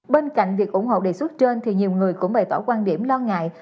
bên cạnh việc ủng hộ đề xuất trên thì nhiều người cũng bày tỏ quan điểm lo ngại